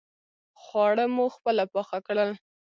خواړه مو خپله پاخه کړل.